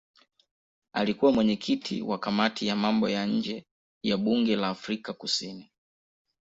Alikuwa mwenyekiti wa kamati ya mambo ya nje ya bunge la Afrika Kusini.